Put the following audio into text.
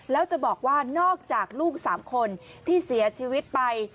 แล้วจะบอกว่านอกจากลูก๓คนที่เสียชีวิตไป